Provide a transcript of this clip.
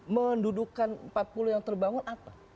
menyegel di empat puluh pulau yang terbangun apa